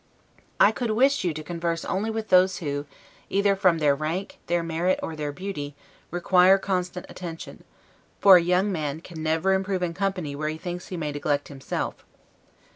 I could wish you to converse only with those who, either from their rank, their merit, or their beauty, require constant attention; for a young man can never improve in company where he thinks he may neglect himself.